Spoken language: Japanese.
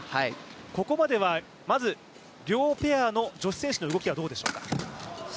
ここまではまず両ペアの女子選手の動きはどうでしょうか。